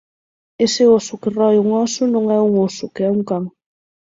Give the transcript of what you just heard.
Ese oso que roe un óso non é un oso, que é un can